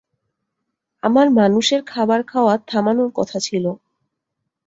আমার মানুষের খাবার খাওয়া থামানোর কথা ছিল।